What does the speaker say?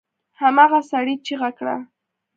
هماغه سړي چيغه کړه!